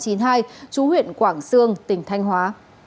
chú huyện quảng sương tỉnh thanh hóa